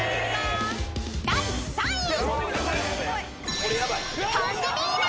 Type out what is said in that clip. ［第３位］